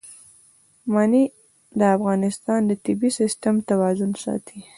منی د افغانستان د طبعي سیسټم توازن ساتي.